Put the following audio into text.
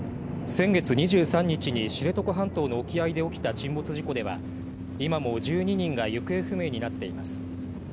先月２３日に知床半島の沖合で起きた沈没事故では今も１２人が行方不明になっています。